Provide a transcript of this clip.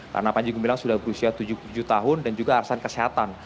karena panji gumilang sudah berusia tujuh puluh tujuh tahun dan juga arsan kesehatan